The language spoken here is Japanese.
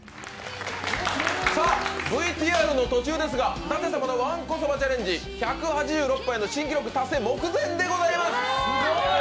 ＶＴＲの途中ですが、舘様にはわんこそばチャレンジ、１８６杯の新記録達成目前でございます。